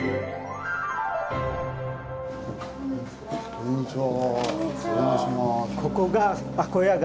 こんにちは。